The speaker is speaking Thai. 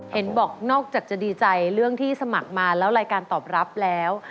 เห็นบอกนอกจากจะดีใจเรื่องที่สมัครมาแล้วรายการตอบรับแล้ว